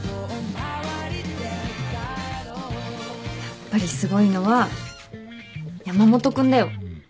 やっぱりすごいのは山本君だよ。